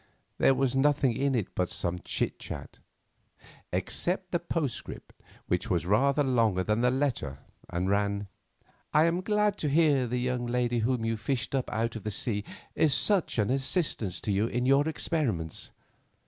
There was nothing in it but some chit chat, except the postscript, which was rather longer than the letter, and ran: "I am glad to hear the young lady whom you fished up out of the sea is such an assistance to you in your experiments.